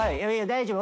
大丈夫ね？」